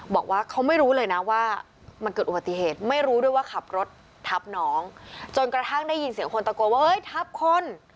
บอกว่าเขาไม่รู้เลยนะว่ามันเกิดอุบัติเหตุไม่รู้ด้วยว่าขับรถทับน้องจนกระทั่งได้ยินเสียงคนตะโกนว่าเฮ้ยทับคน